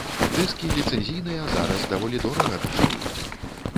Дыскі ліцэнзійныя зараз даволі дорага каштуюць.